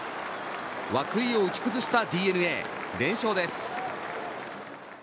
涌井を打ち崩したＤｅＮＡ連勝です。